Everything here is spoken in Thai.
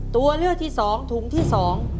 ตัวเลือกที่สองถุงที่สอง